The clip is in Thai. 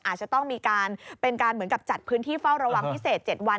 อาจจะต้องมีการเป็นการเหมือนกับจัดพื้นที่เฝ้าระวังพิเศษ๗วัน